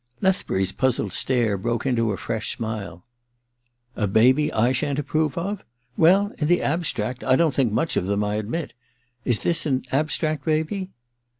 Lethbury's puzzled stare broke into a fresh smile. *A baby I shan't approve of? Well, in the abstract I don't tlunk much of them, I admit. Is this an abstract baby